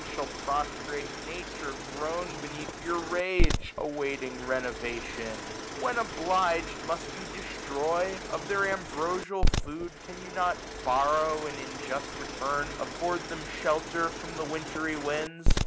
Shall prostrate Nature groan beneath your rage. Awaiting renovation ? When obliged, Must you destroy? Of their ambrosial food 11 90 Can you not borrow j and, in just return. Afford them shelter from the wintry winds?